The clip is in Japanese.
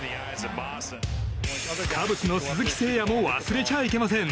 カブスの鈴木誠也も忘れちゃいけません。